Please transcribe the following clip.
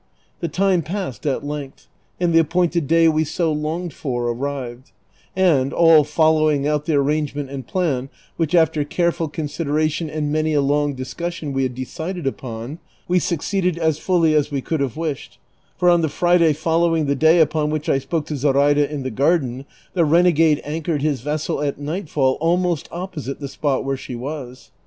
The time passed at length, and the apjwinted day we so longed for arrived; and, all following out the arrangement and plan which, after careful con sideration and many a long discussion, we had decided upon, we succeeded as fully as we could have wished ; for on the Friday fol lowing the day upon which I spoke to Zoraida in the garden, the renegade anchored his vessel at nightfall almost opposite the spot where she was.